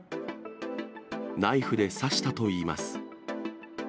ナイフで刺したといいます。